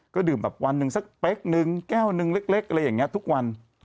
ก็ดื่มแบบวันหนึ่งสักเป๊กนึงแก้วหนึ่งเล็กอะไรอย่างนี้ทุกวัน